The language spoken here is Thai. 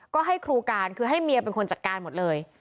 ก็ให้ครูการคือให้เมียเป็นคนจัดการหมดเลย